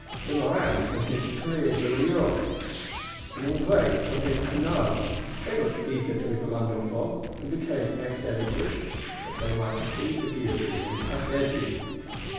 De Morande from his Courrier de l'Europe; Linguet from his Annales, they looked eager through the London fog, and became Ex Editors,—that they might feed the guillotine, and have their due.